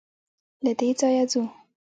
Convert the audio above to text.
له دې ځايه ځو.